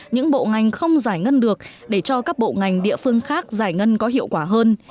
những bộ ngành không giải ngân được để cho các bộ ngành địa phương khác giải ngân có hiệu quả hơn